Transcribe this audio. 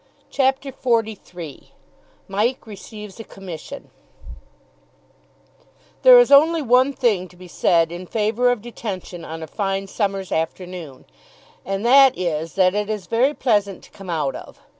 CHAPTER XLIII MIKE RECEIVES A COMMISSION There is only one thing to be said in favour of detention on a fine summer's afternoon, and that is that it is very pleasant to come out of.